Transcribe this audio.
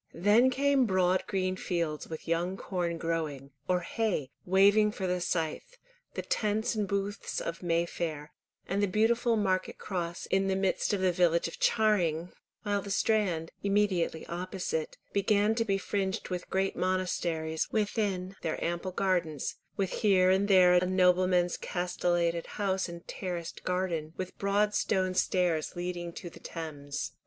Then came broad green fields with young corn growing, or hay waving for the scythe, the tents and booths of May Fair, and the beautiful Market Cross in the midst of the village of Charing, while the Strand, immediately opposite, began to be fringed with great monasteries within their ample gardens, with here and there a nobleman's castellated house and terraced garden, with broad stone stairs leading to the Thames.